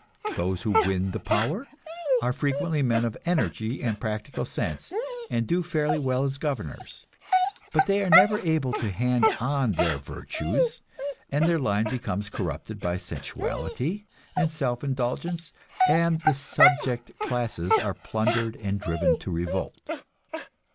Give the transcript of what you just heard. Those who win the power are frequently men of energy and practical sense, and do fairly well as governors; but they are never able to hand on their virtues, and their line becomes corrupted by sensuality and self indulgence, and the subject classes are plundered and driven to revolt.